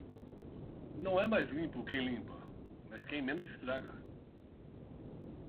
Não é mais limpo quem limpa mas quem menos estraga.